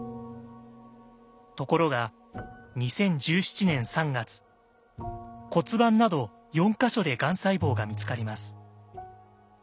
ところが２０１７年３月骨盤など４か所でがん細胞が見つかります。